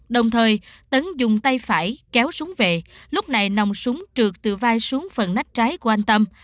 đồng thời tấn dùng tay phải kéo súng về lúc này nòng súng trượt từ vai xuống phần nách trái của anh tâm